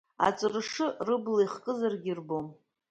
Аҵәыршы рыбла ихкызаргьы ирбом.